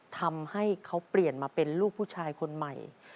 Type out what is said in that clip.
ทำให้เขาเปลี่ยนมาเป็นลูกผู้ชายคนใหม่